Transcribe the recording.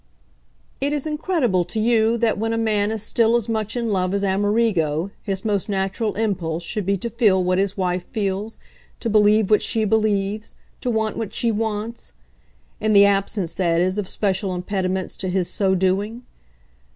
"It is incredible to you that when a man is still as much in love as Amerigo his most natural impulse should be to feel what his wife feels, to believe what she believes, to want what she wants? in the absence, that is, of special impediments to his so doing."